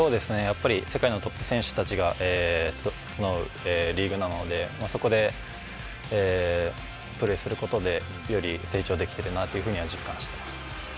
世界のトップ選手たちが集うリーグなので、そこでプレーすることでより成長できてるなと実感しています。